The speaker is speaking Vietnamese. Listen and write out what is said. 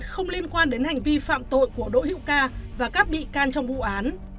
không liên quan đến hành vi phạm tội của đỗ hữu ca và các bị can trong vụ án